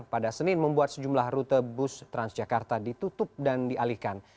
pada senin membuat sejumlah rute bus transjakarta ditutup dan dialihkan